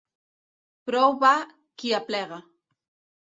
Prou va qui aplega.